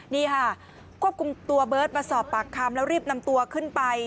นี่ค่ะควบคุมตัวเบิร์ตมาสอบปากคำแล้วรีบนำตัวขึ้นไป